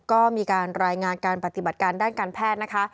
ก็มีการรายงานการปฏิบัติการด้านการแพทย์นะคะ